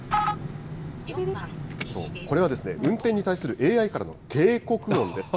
これは運転に対するＡＩからの警告音です。